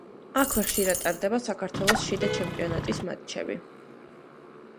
აქვე ხშირად ტარდება საქართველოს შიდა ჩემპიონატის მატჩები.